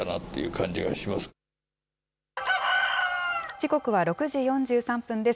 時刻は６時４３分です。